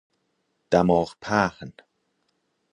دماغ پهن